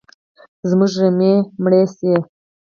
زموږ رمې مړي شي